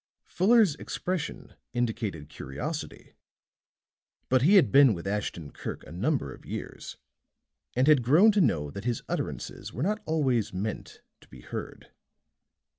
Fuller's expression indicated curiosity; but he had been with Ashton Kirk a number of years and had grown to know that his utterances were not always meant to be heard.